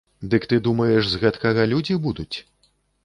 Дык ты думаеш, з гэткага людзі будуць?